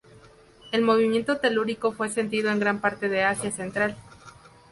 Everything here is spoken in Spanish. El movimiento telúrico fue sentido en gran parte de Asia Central.